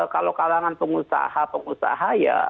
kalau kalangan pengusaha pengusaha ya